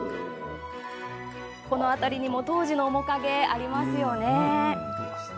この辺りにも当時の面影ありますよね。